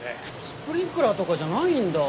スプリンクラーとかじゃないんだ。